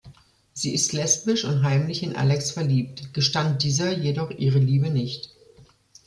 Sie ist lesbisch und heimlich in Alex verliebt, gestand dieser jedoch ihre Liebe nicht.